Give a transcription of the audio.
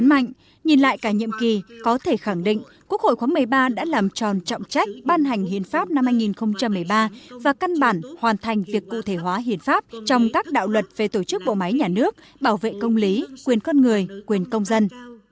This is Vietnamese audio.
quốc hội khóa một mươi ba đã làm tròn trọng trách ban hành hiện pháp năm hai nghìn một mươi ba và căn bản hoàn thành việc cụ thể hóa hiện pháp trong các đạo luật về tổ chức bộ máy nhà nước bảo vệ công lý quyền con người quyền công dân